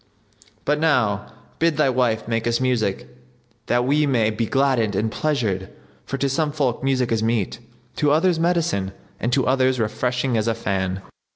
But now bid thy wife make us music that we may be gladdened and pleasured; for to some folk music is meat, to others medicine and to others refreshing as a fan."